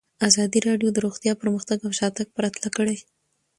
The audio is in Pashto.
ازادي راډیو د روغتیا پرمختګ او شاتګ پرتله کړی.